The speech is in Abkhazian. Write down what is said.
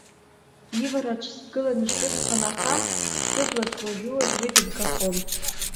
Ивараҿ сгылан ишьҭысхын ахаҳә, сыблаҿ уажәы-уажә уи дыбгахон.